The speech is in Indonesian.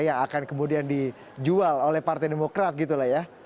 yang akan kemudian dijual oleh partai demokrat gitu lah ya